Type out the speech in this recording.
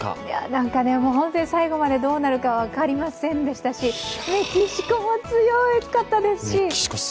なんか最後までどうなるか分かりませんでしたし、メキシコも強かったですし。